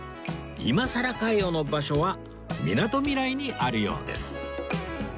「今さらかよ」の場所はみなとみらいにあるようです